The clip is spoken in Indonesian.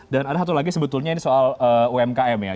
dan ada satu lagi sebetulnya ini soal umkm ya